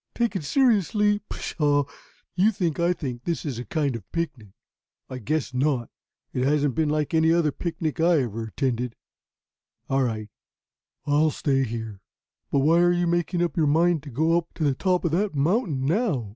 "Take it seriously? Pshaw! You think I think this is a kind of picnic. I guess not. It hasn't been like any other picnic I ever attended. All right; I'll stay here. But why are you making up your mind to go up to the top of that mountain now?"